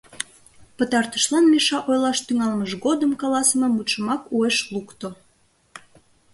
Пытартышлан Миша ойлаш тӱҥалмыж годым каласыме мутшымак уэш лукто: